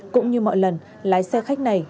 cũng như mọi lần lái xe khách này